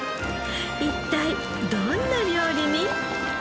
一体どんな料理に？